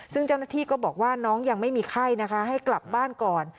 ซึ่งเจ้าหน้าที่ก็บอกว่าน้องยังไม่มีไข้นะคะให้กลับบ้านก่อน